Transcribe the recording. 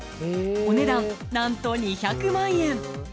お値段、何と２００万円。